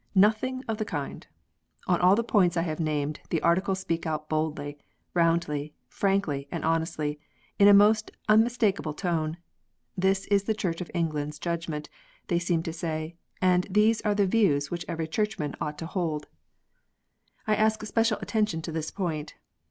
Xothing of the kind ! On all the points I have named the Articles speak out boldly, roundly, frankly, and honestly, in a most unmistakable tone. " This is the Church of England s judgment," they seem to say ; and " these are the views which every Churchman ought to hold." I ask special attention to this point.